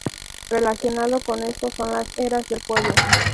Relacionado con esto son las eras del pueblo.